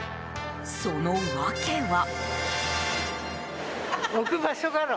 その訳は。